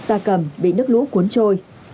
xa cầm bị nước lũ cuốn trôi